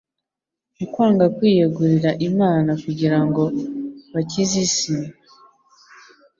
Mu kwanga kwiyegurira Imana kugira ngo bakize isi,